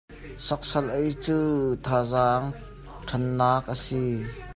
Sawksawl ei cu thazang ṭhan nak a si.